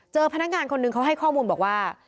พนักงานคนหนึ่งเขาให้ข้อมูลบอกว่า